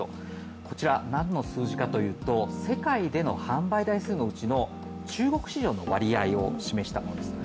こちら、何の数字かというと世界での販売台数のうちの中国市場の割合を示したものです。